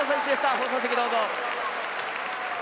放送席どうぞ。